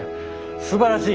すばらしい！